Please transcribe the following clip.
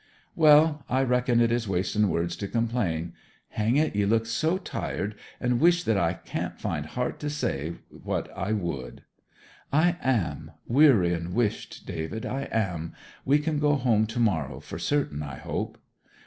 'Well I reckon it is wasting words to complain. Hang it, ye look so tired and wisht that I can't find heart to say what I would!' 'I am weary and wisht, David; I am. We can get home to morrow for certain, I hope?'